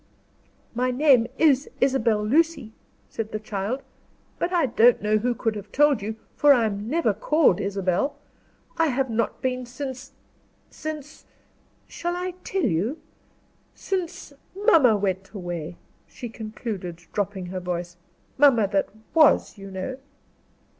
"My name is Isabel Lucy," said the child; "but I don't know who could have told you, for I am never called Isabel. I have not been since since shall I tell you? since mamma went away," she concluded, dropping her voice. "Mamma that was, you know."